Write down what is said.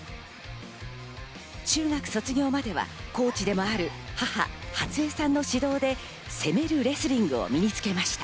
中学卒業までは、コーチでもある母・初江さんの指導で攻めるレスリングを身につけました。